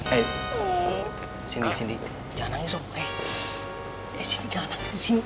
eh cindy cindy jangan nangis om eh eh cindy jangan nangis